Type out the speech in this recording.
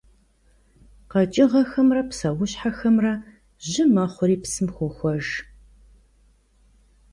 КъэкӀыгъэхэмрэ псэущхьэхэмрэ жьы мэхъури псым хохуэж.